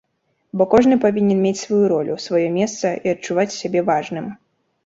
Бо кожны павінен мець сваю ролю, сваё месца і адчуваць сябе важным.